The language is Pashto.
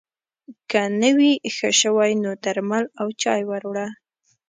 که نه وي ښه شوی نو درمل او چای ور وړه